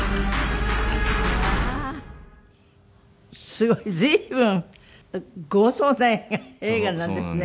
すごい随分豪壮な映画なんですね。